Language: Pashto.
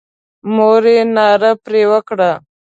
مور یې ناره پر وکړه.